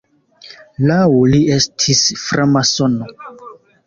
Laŭ li estis framasono.